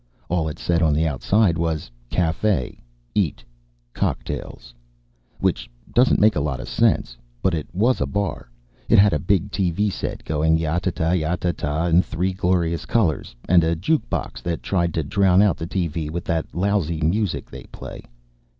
All it said on the outside was: Cafe EAT Cocktails which doesn't make a lot of sense. But it was a bar. It had a big TV set going ya ta ta ya ta ta in three glorious colors, and a jukebox that tried to drown out the TV with that lousy music they play.